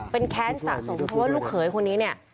เป็นแค้นสะสมเพราะว่าลูกเขยคนนี้เนี่ย